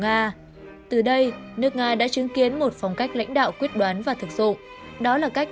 nga từ đây nước nga đã chứng kiến một phong cách lãnh đạo quyết đoán và thực sự đó là cách